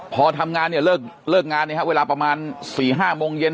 พอทำงานเนี่ยเลิกเลิกงานเนี่ยฮะเวลาประมาณสี่ห้าโมงเย็น